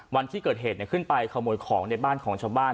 วันที่เกิดเหตุขึ้นไปขโมยของในบ้านของชาวบ้าน